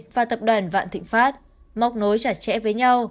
và tập đoàn vạn thịnh pháp móc nối chặt chẽ với nhau